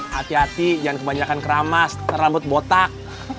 hati hati jangan kebanyakan keramas rambut botak